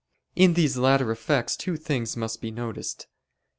In these latter effects two things must be noticed.